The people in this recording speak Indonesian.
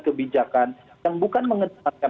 kebijakan kan bukan mengetahui